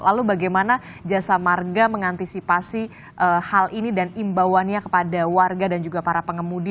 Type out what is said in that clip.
lalu bagaimana jasa marga mengantisipasi hal ini dan imbauannya kepada warga dan juga para pengemudi